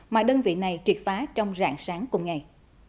mà đơn vị này triệt phá trong rạng sáng cùng ngày